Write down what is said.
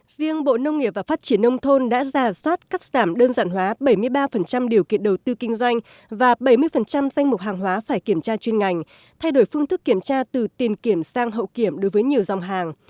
riêng bộ nông nghiệp và phát triển nông thôn đã giả soát cắt giảm đơn giản hóa bảy mươi ba điều kiện đầu tư kinh doanh và bảy mươi danh mục hàng hóa phải kiểm tra chuyên ngành thay đổi phương thức kiểm tra từ tiền kiểm sang hậu kiểm đối với nhiều dòng hàng